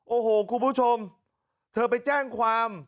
โอ้โหคุณผู้ชมเธอไปแจ้งความ